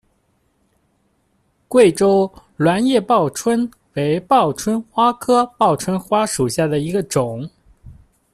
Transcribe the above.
贵州卵叶报春为报春花科报春花属下的一个种。